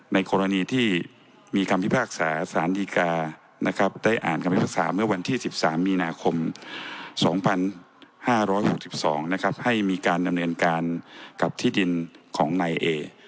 ในกรณีที่มีคำพิพากษาสารดีกานะครับได้อ่านคำพิพากษาเมื่อวันที่๑๓มีนาคม๒๕๖๒นะครับให้มีการดำเนินการกับที่ดินของนายเอ